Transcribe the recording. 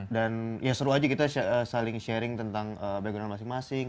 dan ya seru aja kita saling sharing tentang background masing masing